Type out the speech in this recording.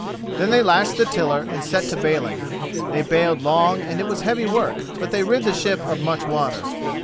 Then they lashed the tiller and set to bailing. They bailed long, and it was heavy work, but they rid the ship of much water.